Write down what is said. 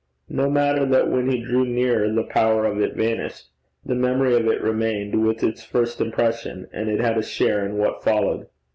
No matter that when he drew nearer the power of it vanished. The memory of it remained with its first impression, and it had a share in what followed.